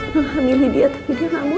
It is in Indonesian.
menghamili dia tapi dia gak mau